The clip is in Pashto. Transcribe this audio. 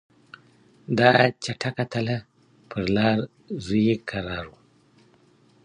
دا چټکه تله پر لار زوی یې کرار و